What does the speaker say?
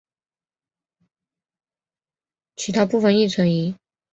其他部分亦存疑。